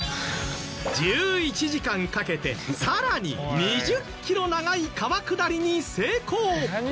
１１時間かけてさらに２０キロ長い川下りに成功！